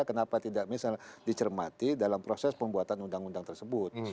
kenapa tidak misalnya dicermati dalam proses pembuatan undang undang tersebut